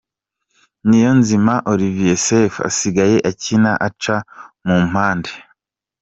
Niyonzima Olivier Sefu asigaye akina aca mu mpande .